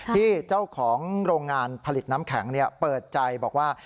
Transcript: ที่เจ้าของโรงงานผลิตน้ำแข็งเปิดใจบอกว่า